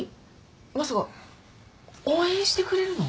まさか応援してくれるの？